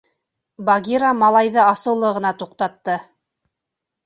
— Багира малайҙы асыулы ғына туҡтатты.